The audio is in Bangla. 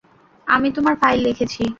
আমি তোমার ফাইল দেখেছি।